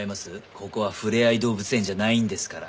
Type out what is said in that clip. ここはふれあい動物園じゃないんですから。